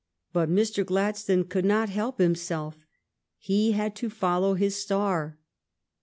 But Mr. Gladstone could not help himself ; he had to follow his star.